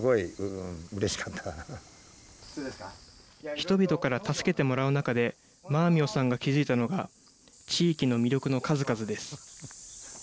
人々から助けてもらう中で、マーミヨさんが気付いたのは、地域の魅力の数々です。